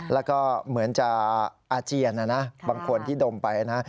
แล้วก็เหมือนจะอาเจียนนะนะบางคนที่ดมไปนะ